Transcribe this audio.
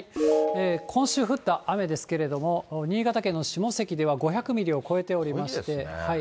今週降った雨ですけれども、新潟県の下関では５００ミリを超えておりまして。